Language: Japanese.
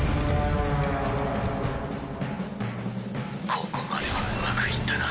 ここまではうまくいったな。